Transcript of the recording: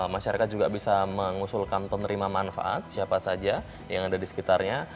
masyarakat juga bisa mengusulkan penerima manfaat siapa saja yang ada di sekitarnya